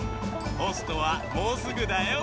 ポストはもうすぐだよ。